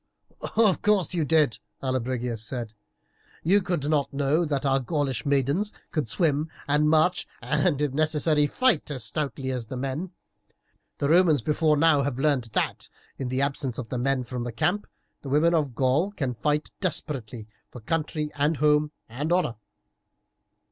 "Of course you did," Allobrigius said; "you could not know that our Gaulish maidens could swim and march, and, if necessary, fight as stoutly as the men. The Romans before now have learned that, in the absence of the men from the camp, the women of Gaul can fight desperately for country, and home, and honour.